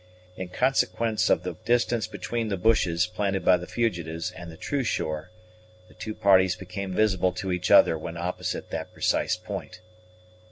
In consequence of the distance between the bushes planted by the fugitives and the true shore, the two parties became visible to each other when opposite that precise point.